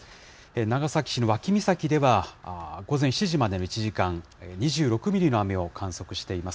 長崎市の脇岬では午前７時までの１時間、２６ミリの雨を観測しています。